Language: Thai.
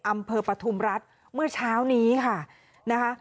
ปฐุมรัฐเมื่อเช้านี้ค่ะนะคะ